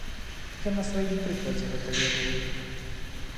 Я на сваім прыкладзе гэта ведаю.